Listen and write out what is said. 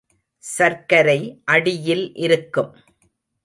சர்க்கரை அடியில் இருக்கும்.